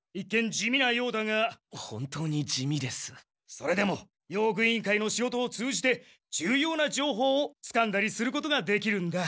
それでも用具委員会の仕事を通じて重要な情報をつかんだりすることができるんだ。